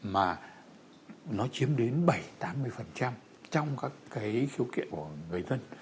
mà nó chiếm đến bảy tám mươi trong các cái khiếu kiện của người dân